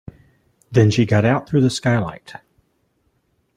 Then she got out through the skylight.